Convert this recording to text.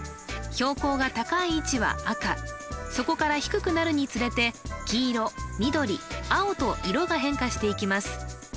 標高が高い位置は赤そこから低くなるにつれて黄色緑青と色が変化していきます